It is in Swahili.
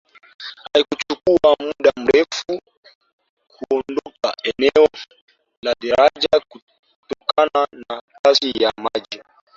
Haikuchukuwa muda mrefu kuondoka eneo la daraja kutokana na kasi ya maji